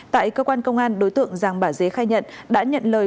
tại cơ quan công an đối tượng giàng bà dế khai nhận đã nhận lời